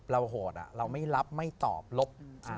เราโหดอะเราไม่รับไม่ตอบรบ